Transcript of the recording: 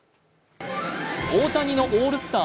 大谷のオールスター